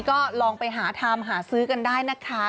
ก็ลองไปหาทำหาซื้อกันได้นะคะ